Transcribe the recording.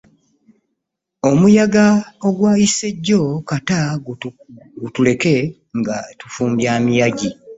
Omuyaga ogwayise jjo kata gutuleke nga tufumbya miyagi.